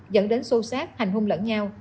dẫn đến xô xác hành hung lẫn nhau